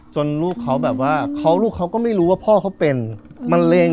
ลูกเขาแบบว่าเขาลูกเขาก็ไม่รู้ว่าพ่อเขาเป็นมะเร็ง